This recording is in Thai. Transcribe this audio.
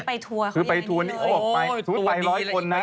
เดี๋ยวนี้ไปทัวร์เขายังยังอย่างนี้เลย